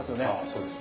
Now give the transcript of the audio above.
そうですね。